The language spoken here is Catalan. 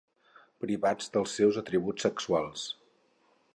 Privats dels seus atributs sexuals.